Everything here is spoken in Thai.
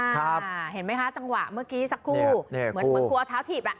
ครับเห็นไหมคะจังหวะเมื่อกี้สักครู่เหมือนกลัวเท้าถีบ